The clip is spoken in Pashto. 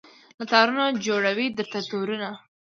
له تارونو جوړوي درته تورونه